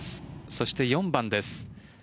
そして４番です。